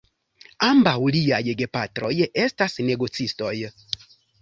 Ambaŭ liaj gepatroj estas negocistoj.